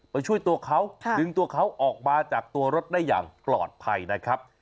ไปช่วยตัวเขาดึงตัวเขาออกมาจากตัวรถได้อย่างปลอดภัยนะครับ